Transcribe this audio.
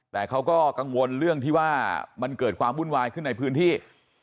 แต่เขาก็กังวลเรื่องที่ว่ามันเกิดความวุ่นวายขึ้นในพื้นที่